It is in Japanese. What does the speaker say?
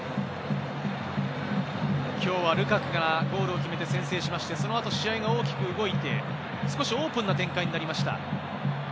今日はルカクがゴールを決めて先制しまして、そのあと試合が大きく動いて、少しオープンな展開になりました。